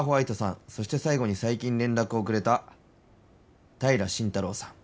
そして最後に最近連絡をくれた平真太郎さん